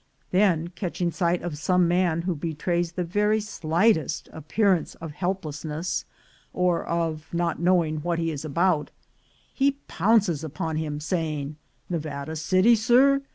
Then catching sight of some man who betrays the very slightest appearance of helplessness, or of not knowing what he is about, he pounces upon him, saying, "Nevada City, sir?